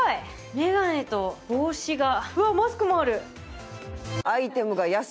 メガネと帽子がうわっマスクもある！